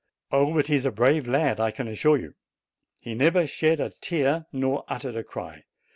Oh, but he's a brave lad, I can assure you ! He never shed a tear, nor uttered a cry!